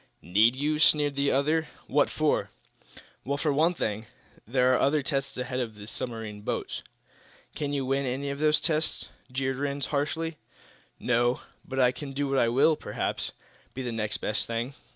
"Need you?" sneered the other. "What for?" "Well, for one thing, there are other tests ahead of the submarine boats." "Can you win any of those tests?" jeered Rhinds, harshly. "No; but I can do what will, perhaps, be the next best thing.